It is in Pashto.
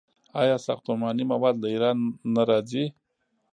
آیا ساختماني مواد له ایران نه راځي؟